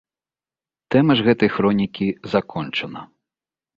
Тэма ж гэтай хронікі закончана.